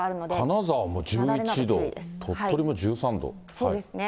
金沢も１１度、そうですね。